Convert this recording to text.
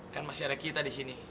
kan masih ada kita di sini